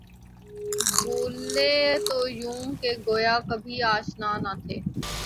بُھولے تو یوں کہ گویا کبھی آشنا نہ تھے